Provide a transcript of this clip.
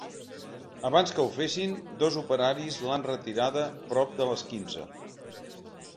Abans que ho fessin, dos operaris l’han retirada prop de les quinze.